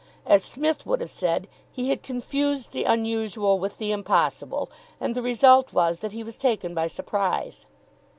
As Psmith would have said, he had confused the unusual with the impossible, and the result was that he was taken by surprise.